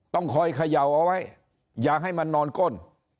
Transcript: ต้องคอยเขย่าเอาไว้อย่าให้มันนอนก้น